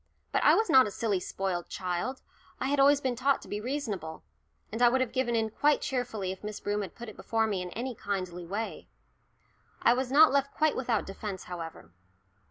But I was not a silly spoilt child; I had always been taught to be reasonable, and I would have given in quite cheerfully if Miss Broom had put it before me in any kindly way. I was not left quite without defence, however.